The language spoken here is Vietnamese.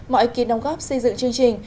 mọi ý kiến đồng góp xây dựng chương trình